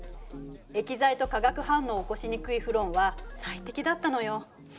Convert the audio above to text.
液剤と化学反応を起こしにくいフロンは最適だったのよ。